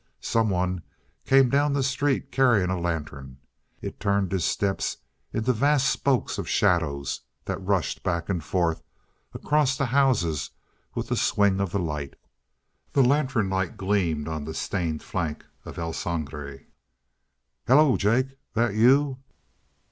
Someone came down the street carrying a lantern. It turned his steps into vast spokes of shadows that rushed back and forth across the houses with the swing of the light. The lantern light gleamed on the stained flank of El Sangre. "Halloo, Jake, that you?"